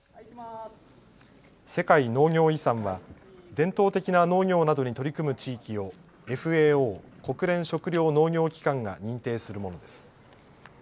世界農業遺産は伝統的な農業などに取り組む地域をＦＡＯ・国連食糧農業機関が認定するものです。